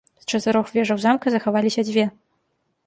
З чатырох вежаў замка захаваліся дзве.